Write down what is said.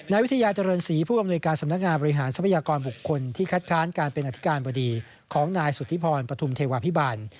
นายวิทยาเจริญศรีผู้อำนวยการสำนักงานบริหารทรัพยากรบุคคลที่คัดค้านการเป็นอธิการบดีของนายสุธิพรปฐุมเทวาพิบัน